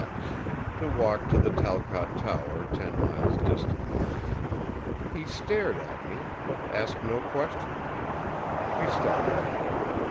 to walk to the Talcott Tower, ten miles distant. He stared at me, but asked no questions. We started.